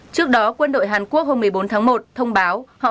trước đó quân đội hàn quốc hôm một mươi bốn tháng một thông báo